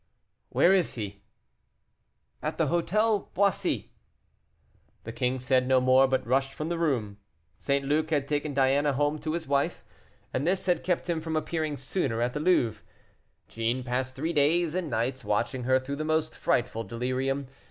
"Where is he?" "At the Hôtel Boissy." The king said no more, but rushed from the room. St. Luc had taken Diana home to his wife, and this had kept him from appearing sooner at the Louvre. Jeanne passed three days and nights watching her through the most frightful delirium.